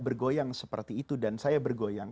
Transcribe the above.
bergoyang seperti itu dan saya bergoyang